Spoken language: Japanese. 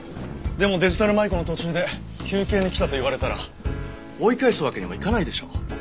でもデジタル舞子の途中で休憩に来たと言われたら追い返すわけにもいかないでしょう？